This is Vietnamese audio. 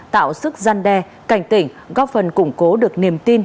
tạo sức gian đe cảnh tỉnh góp phần củng cố được niềm tin